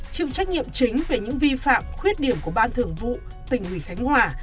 chịu trách nhiệm chính về những vi phạm khuyết điểm của ban thường vụ tỉnh ủy khánh hòa